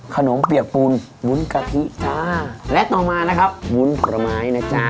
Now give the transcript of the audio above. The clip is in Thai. ขนมเปียกปูนบุ๋นกะทิและต่อมานะครับบุ๋นผลไม้นะจ๊ะ